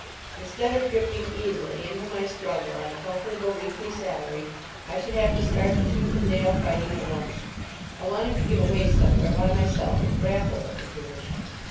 Instead of drifting easily into my struggle on a comfortable weekly salary, I should have to start the tooth and nail fighting at once. I wanted to get away somewhere by myself, and grapple with the position.